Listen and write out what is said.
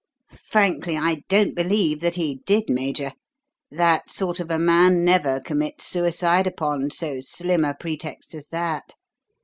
Frankly, I don't believe that he did, Major. That sort of a man never commits suicide upon so slim a pretext as that.